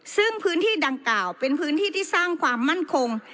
ซึ่งพื้นที่ดังกล่าวเป็นพื้นที่ที่สร้างความมั่นคง